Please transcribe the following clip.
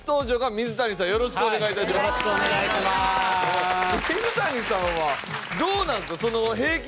水谷さんはどうなんですか？